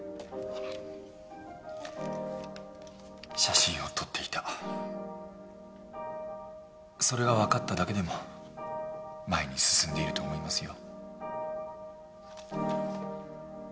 写真を撮っていたそれがわかっただけでも前に進んでいると思いますよ。